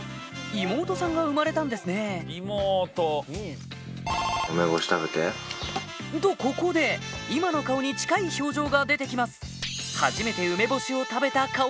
妹さんが生まれたんですねとここで今の顔に近い表情が出て来ます